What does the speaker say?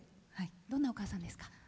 どんなお母さんですか？